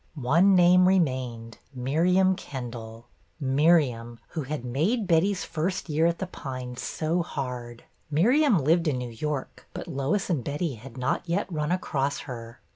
One name remained, Miriam Kendall, Miriam, who had made Betty's first year at The Pines so hard. Miriam lived in New York, but Lois and Betty had not yet run across her.